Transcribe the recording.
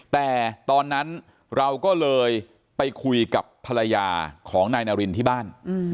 แต่ตอนนั้นเราก็เลยไปคุยกับภรรยาของนายนารินที่บ้าน